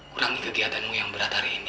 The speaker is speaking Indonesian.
kurangi kegiatanmu yang berat hari ini